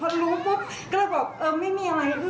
พอรู้ปุ๊บก็เลยบอกเออไม่มีอะไร